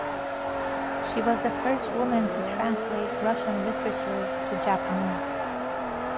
She was the first woman to translate Russian literature to Japanese.